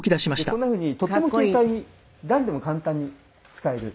こんな風にとっても軽快に誰でも簡単に使える。